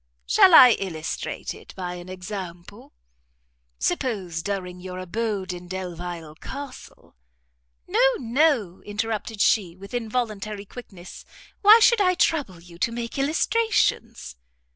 "Shall I illustrate it by an example? Suppose, during your abode in Delvile Castle?" "No, no," interrupted she, with involuntary quickness, "why should I trouble you to make illustrations?"